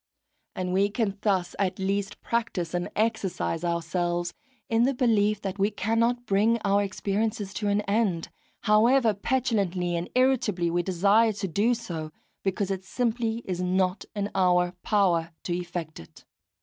And we can thus at least practise and exercise ourselves in the belief that we cannot bring our experiences to an end, however petulantly and irritably we desire to do so, because it simply is not in our power to effect it.